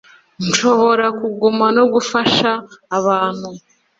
nshobora kuguma no gufasha abantu